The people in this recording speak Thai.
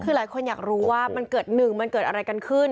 คือหลายคนอยากรู้ว่ามันเกิด๑มันเกิดอะไรกันขึ้น